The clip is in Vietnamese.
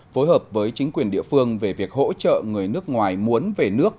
phối hợp với chính quyền địa phương về việc hỗ trợ người nước ngoài muốn về nước